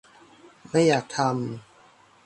ไม่อยากทำ